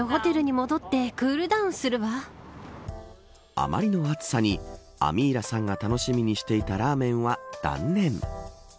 あまりの暑さにアミーラさんが楽しみにしていたラーメンは断念。